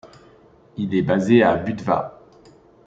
Il est basé à Budva.